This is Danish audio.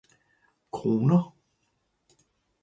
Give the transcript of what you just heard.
Kroner